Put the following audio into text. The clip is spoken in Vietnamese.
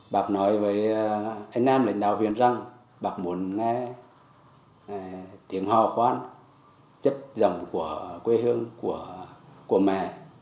bạc nói với anh em lãnh đạo huyền rằng bạc muốn nghe tiếng hò khoan chất giọng của quê hương của mẹ